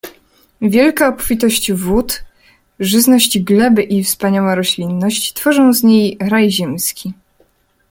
Wielka obfitość wód, żyzność gleby i wspaniała roślinność tworzą z niej raj ziemski.